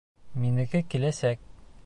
Минеке киләсәк.